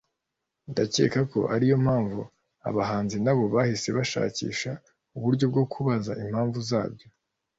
Ndakeka ko ariyo mpamvu abahanzi nabo bahise bashakisha uburyo bwo kubaza impamvu zabyo